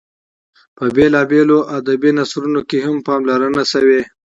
په بېلابېلو ادبي نثرونو کې هم پاملرنه شوې.